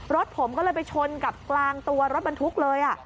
รถผมก็เลยไปชนกับกลางตัวรถบรรทุกเลย